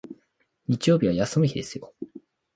日曜日は休む日ですよ